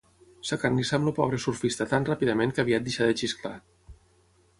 S'acarnissà amb el pobre surfista tan ràpidament que aviat deixà de xisclar.